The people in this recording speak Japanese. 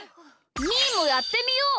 みーもやってみよう！